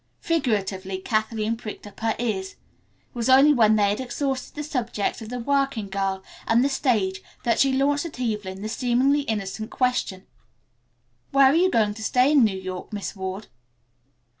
Figuratively, Kathleen pricked up her ears. It was only when they had exhausted the subjects of the working girl and the stage that she launched at Evelyn the seemingly innocent question, "Where are you going to stay in New York, Miss Ward?"